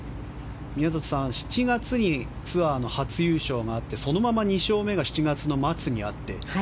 宮里さん、７月にツアー初優勝があって、そのまま２勝目が７月末にあって。